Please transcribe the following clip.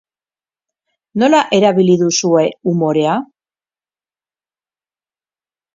Nola erabili duzue umorea?